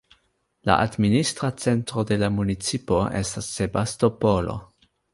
La administra centro de la municipo estas Sebastopolo.